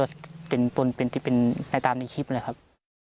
กลับมามาเลื่อนจะเป็นในตามในคลิปเลยครับ